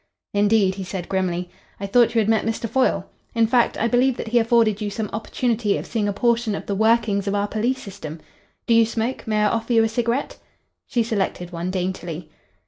"Indeed," he said grimly. "I thought you had met Mr. Foyle. In fact, I believe that he afforded you some opportunity of seeing a portion of the workings of our police system. Do you smoke? May I offer you a cigarette?" She selected one daintily.